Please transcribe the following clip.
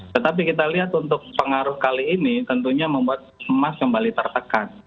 tetapi kita lihat untuk pengaruh kali ini tentunya membuat emas kembali tertekan